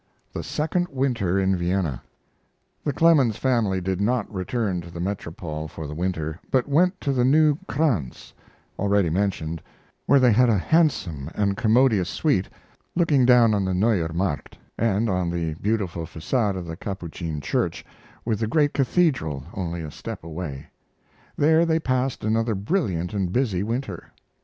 THE SECOND WINTER IN VIENNA The Clemens family did not return to the Metropole for the winter, but went to the new Krantz, already mentioned, where they had a handsome and commodious suite looking down on the Neuer Markt and on the beautiful facade of the Capuchin church, with the great cathedral only a step away. There they passed another brilliant and busy winter.